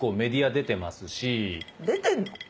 「出てんの？」